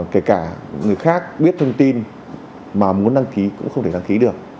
kể cả người khác biết thông tin mà muốn đăng ký cũng không thể đăng ký được